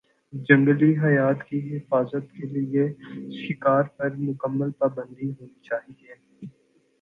جنگلی حیات کی حفاظت کے لیے شکار پر مکمل پابندی ہونی چاہیے